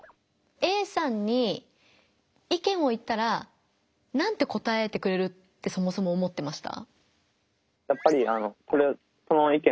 Ａさんに意見を言ったら何て答えてくれるってそもそも思ってました？